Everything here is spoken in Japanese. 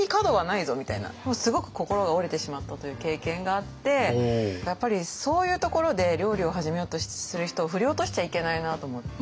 もうすごく心が折れてしまったという経験があってやっぱりそういうところで料理を始めようとする人を振り落としちゃいけないなと思って。